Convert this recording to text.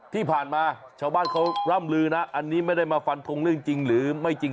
ที่ผ่านมาชาวบ้านเขาร่ำลือนะอันนี้ไม่ได้มาฟันทงเรื่องจริงหรือไม่จริง